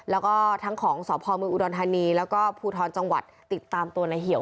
แล้วก็ทั้งของสพเมืองอุดรธานีแล้วก็ภูทรจังหวัดติดตามตัวในเหี่ยว